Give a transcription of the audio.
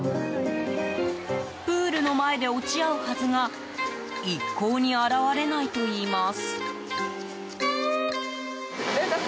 プールの前で落ち合うはずが一向に現れないといいます。